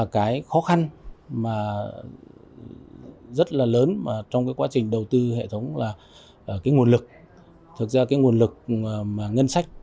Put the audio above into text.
cái khó khăn rất lớn trong quá trình đầu tư hệ thống là nguồn lực ngân sách